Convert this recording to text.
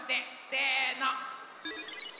せの！